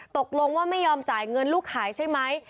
ตกลงว่าไม่ยอมจ่ายเงินลูกขายใช่ไหม